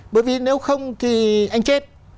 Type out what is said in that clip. bởi vì nếu không thì anh chết